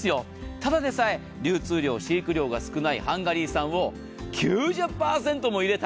ただでさえ流通量、飼育料が少ないハンガリー産を９０％も入れた。